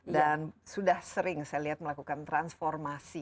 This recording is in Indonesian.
dan sudah sering saya lihat melakukan transformasi